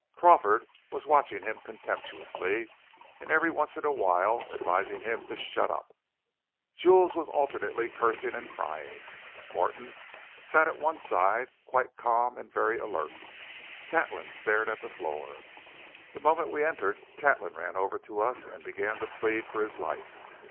Crawford was watching him contemptuously and every once in a while advising him to "shut up!" Jules was alternately cursing and crying. Morton sat at one side quite calm and very alert. Catlin stared at the floor. The moment we entered Catlin ran over to us and began to plead for his life.